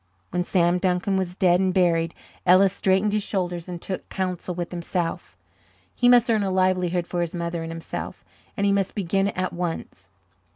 When Sam Duncan was dead and buried, Ellis straightened his shoulders and took counsel with himself. He must earn a livelihood for his mother and himself, and he must begin at once.